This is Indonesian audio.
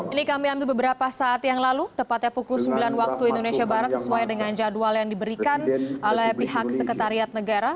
ini kami ambil beberapa saat yang lalu tepatnya pukul sembilan waktu indonesia barat sesuai dengan jadwal yang diberikan oleh pihak sekretariat negara